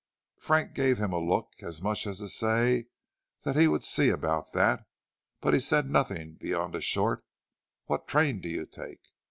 Frank gave him a look as much as to say he would see about that, but he said nothing beyond a short "What train do you take?"